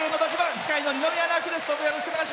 司会の二宮直輝です。